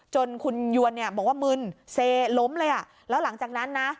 จนคุณยวนเนี่ยบอกว่ามึนเซล้มเลยอ่ะแล้วหลังจากนั้นนะ